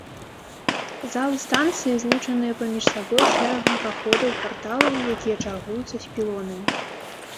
Залы станцыі злучаныя паміж сабой шэрагам праходаў-парталаў, якія чаргуюцца з пілонамі.